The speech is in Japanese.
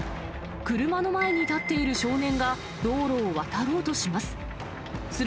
車の前に立っている少年が、道路を渡ろうとします。